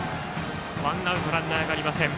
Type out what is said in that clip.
ワンアウトランナーがありません。